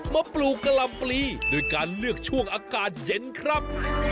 ปลูกกะลำปลีโดยการเลือกช่วงอากาศเย็นครับ